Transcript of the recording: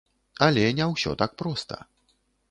Але не ўсё так проста.